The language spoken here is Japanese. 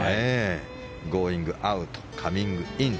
ゴーイングアウトカミングイン